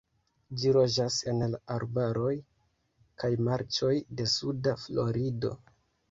Ĝi loĝas en la arbaroj kaj marĉoj de suda Florido.